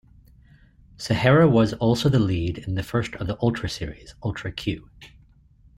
Sahara was also the lead in the first of the "Ultra" series, Ultra Q.